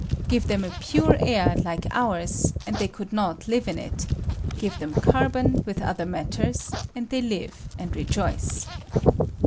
Give them a pure air like ours, and they could not live in it ; give them carbon with other matters, and they live and rejoice.